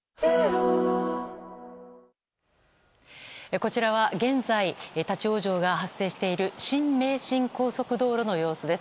こちらは現在立ち往生が発生している新名神高速道路の様子です。